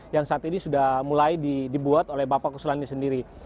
yang saat ini sudah mulai dibuat oleh bapak kuslandia sendiri